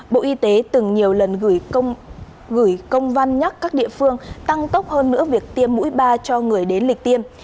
bộ y tế từng nhiều lần gửi công văn nhắc các địa phương tăng tốc hơn nữa việc tiêm mũi ba cho người đến lịch tiêm